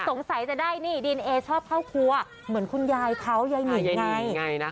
สงสัยจะได้นี่ดีเอชอบข้าวครัวเหมือนคุณยายเขายายนี่ไงยายนี่ไงนะคะ